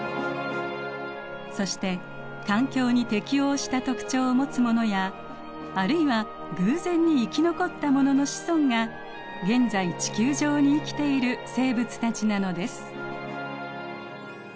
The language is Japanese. そして環境に適応した特徴をもつものやあるいは偶然に生き残ったものの子孫が現在地球上に生きている生物たちなのです。